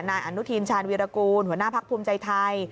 นายอนุทินชาญวีรกูลหัวหน้าพักภูมิใจไทย